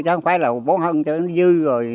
chứ không phải là bón phân cho nó dư rồi